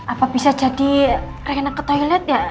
apa bisa jadi rena ke toilet